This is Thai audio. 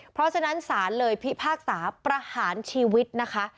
เพราะฉะนั้นศาลเลยพิพากษาประหารชีวิตนะคะ